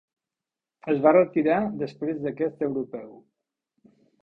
Es va retirar després d'aquest Europeu.